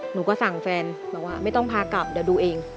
หนูก็สั่งแฟนบอกว่าไม่ต้องพากลับเดี๋ยวดูเอง